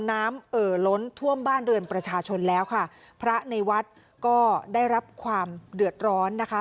เอ่อล้นท่วมบ้านเรือนประชาชนแล้วค่ะพระในวัดก็ได้รับความเดือดร้อนนะคะ